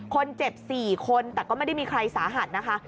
คนเจ็บ๔คนแต่ก็ไม่ได้มีใครสาหัสนะคะ